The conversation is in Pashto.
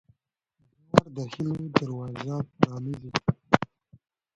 سهار د هيلو دروازه پرانیزي.